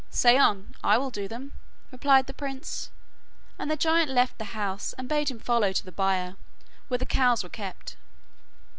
'Say on, I will do them,' replied the prince, and the giant left the house, and bade him follow to the byre, where the cows were kept.